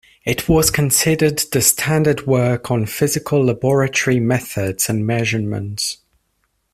It was considered the standard work on physical laboratory methods and measurements.